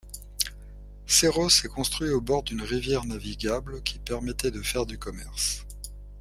Cerros est construit au bord d'une rivière navigable qui permettait de faire du commerce.